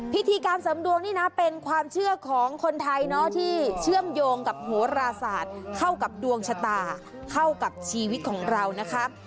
พิธีการเสริมดวงนี่นะเป็นความเชื่อของคนไทยเนาะที่เชื่อมโยงกับโหราศาสตร์เข้ากับดวงชะตาเข้ากับชีวิตของเรานะคะ